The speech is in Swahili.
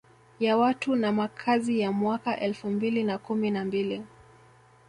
Ya watu na makazi ya mwaka elfu mbili na kumi na mbili